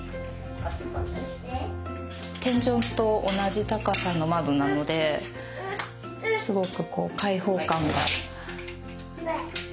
天井と同じ高さの窓なのですごくこう開放感がありますね。